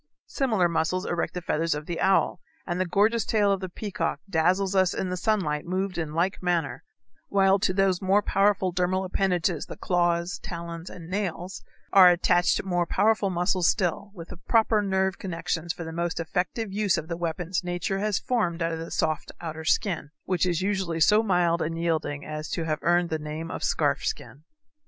Similar muscles erect the feathers of the owl, and the gorgeous tail of the peacock dazzles us in the sunlight moved in like manner, while to those more powerful dermal appendages, the claws, talons, and nails, are attached more powerful muscles still, with proper nerve connections for the most effective use of the weapons nature has formed out of the soft outer skin, which is usually so mild and yielding as to have earned the name of scarf skin.